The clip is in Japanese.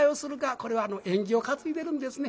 これはあの縁起を担いでるんですね。